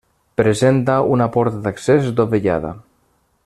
Presenta una porta d'accés dovellada.